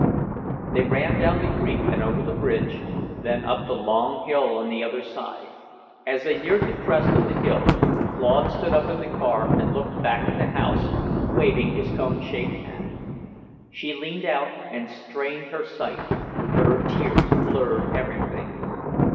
They ran down the creek and over the bridge, then up the long hill on the other side. As they neared the crest of the hill, Claude stood up in the car and looked back at the house, waving his cone shaped hat. She leaned out and strained her sight, but her tears blurred everything.